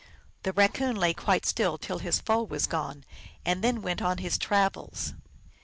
The Raccoon lay quite still till his foe was gone, and then went on his travels.